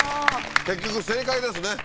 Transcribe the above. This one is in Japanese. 結局正解ですね